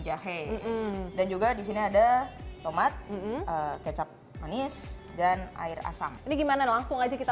jahe dan juga disini ada tomat kecap manis dan air asam ini gimana langsung aja kita